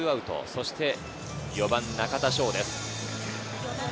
そして４番・中田翔です。